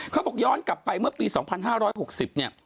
เขาบอกย้อนกลับไปเมื่อปี๒๕๖๐เนี่ย